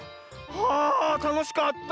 はあたのしかった。